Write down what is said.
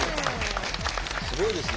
すごいですね。